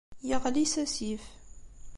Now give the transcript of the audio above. Yeɣli s asif.